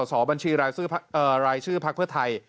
สอบบัญชีรายชื่อพักเพื่อไทย